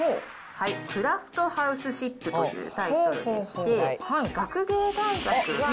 クラフトハウスシップというタイトルでして、学芸大学。